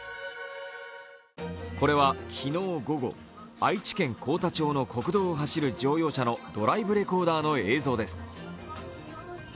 これは昨日午後、愛知県幸田町の国道を走る乗用車のドライブレコーダーの映像です。